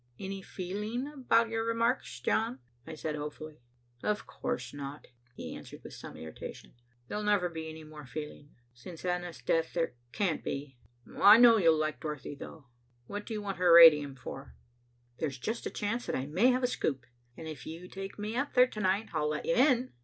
"Any feeling about your remarks, John?" I said hopefully. "Of course not," he answered with some irritation. "There'll never be any more feeling. Since Anna's death there can't be. I know you'll like Dorothy, though. What do you want her radium for?" "There's just a chance that I may have a scoop, and if you'll take me up there to night I'll let you in."